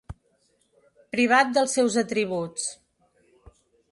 Privat dels seus atributs.